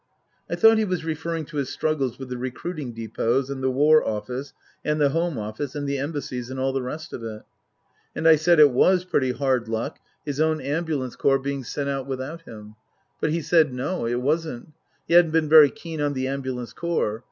I thought he was referring to his struggles with the recruiting depots and the War Office and the Home Office and the Embassies and all the rest of it. And I said it was pretty hard luck his own Ambulance Corps Book III : His Book 269 being sent out without him. But he said, No ; it wasn't. He hadn't been very keen on the Ambulance Corps.